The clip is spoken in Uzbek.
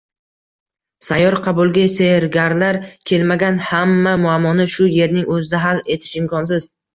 Sayyor qabulga sehrgarlar kelmagan, hamma muammoni shu yerning o‘zida hal etish imkonsiz